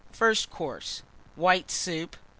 FIRST COURSE. White Soup.